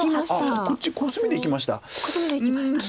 こっちコスミでいきました？